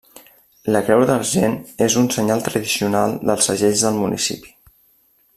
La creu d'argent és un senyal tradicional dels segells del municipi.